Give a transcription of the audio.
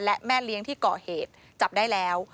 และแม่เลี้ยงที่ก่อเหตุจับได้แล้ว